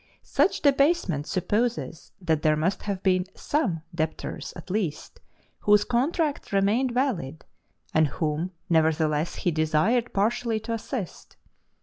Such debasement supposes that there must have been some debtors at least whose contracts remained valid, and whom nevertheless he desired partially to assist.